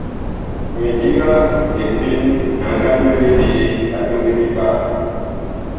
Mindiga lipem, a nga nyuele ɓe a tɔmbedi ɓaa.